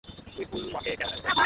তুই ফুলওয়াকে কেন খুন করেছিলি?